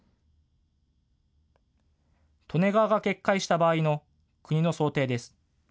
利根川が決壊した場合の国の想定です。